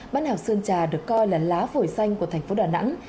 bán đảo sơn trà được coi là lá phổi xanh của thành phố đà nẵng